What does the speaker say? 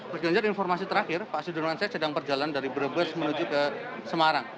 mas ganjar informasi terakhir pak sudirman said sedang berjalan dari brebes menuju ke semarang